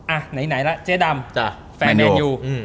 อะไหนละเจ๊ดำแฟนแมนยู